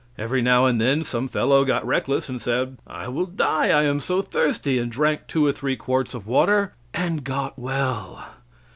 Every now and then some fellow got reckless and said: "I will die, I am so thirsty," and drank two or three quarts of water and got well.